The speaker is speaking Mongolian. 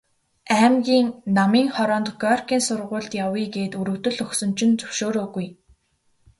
Аймгийн Намын хороонд Горькийн сургуульд явъя гээд өргөдөл өгсөн чинь зөвшөөрөөгүй.